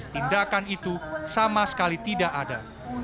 tindakan itu sama sekali tidak ada